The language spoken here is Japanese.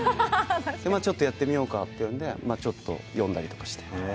ちょっとやってみようかということでちょっと読んだりして。